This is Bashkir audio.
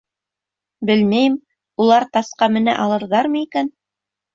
— Белмәйем, улар тасҡа менә алырҙармы икән?